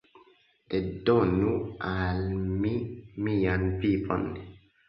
Redonu al mi mian vivon!